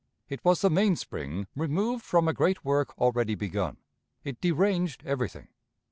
... It was the mainspring removed from a great work already begun. It deranged everything.